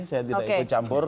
saya tidak ikut campur